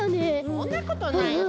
そんなことないよ。